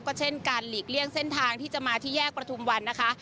ก็เช่นการหลีกเลี่ยงเส้นทางที่จะมาที่แยกประทุมวันนะคะ